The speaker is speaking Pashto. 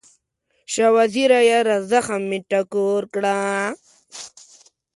شاه وزیره یاره، زخم مې ټکور کړه